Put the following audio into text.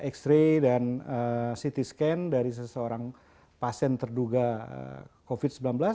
x ray dan ct scan dari seseorang pasien terduga covid sembilan belas